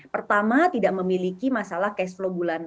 pertama tidak memiliki masalah cash flow bulan